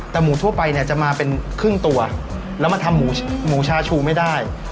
แต่หมูทั่วไปเนี่ยจะมาเป็นครึ่งตัวแล้วมาทำหมูชาชูไม่ได้